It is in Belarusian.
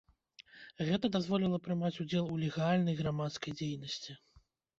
Гэта дазволіла прымаць удзел у легальнай грамадскай дзейнасці.